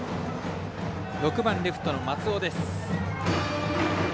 ６番レフトの松尾。